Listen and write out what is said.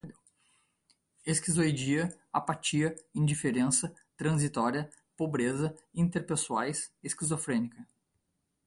esquizoidia, apatia, indiferença, transitória, pobreza, interpessoais, esquizofrênica